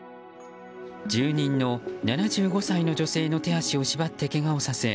住人の７５歳の女性の手足を縛ってけがをさせ